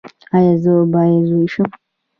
ایا زه باید زوی شم؟